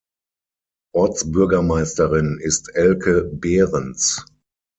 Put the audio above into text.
Ortsbürgermeisterin ist Elke Behrens.